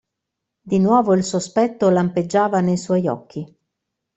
Di nuovo il sospetto lampeggiava nei suoi occhi.